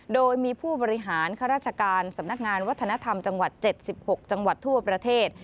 โดยมีผู้บริหารข้าราชการสำนักงานวัฒนธรรมจังหวัด๗๖จังหวัดทั่วประเทศ